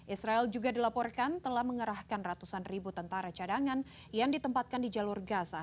israel juga dilaporkan telah mengerahkan ratusan ribu tentara cadangan yang ditempatkan di jalur gaza